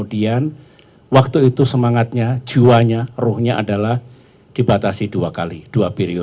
dari dari dari dari dari dari dari